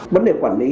vấn đề quản lý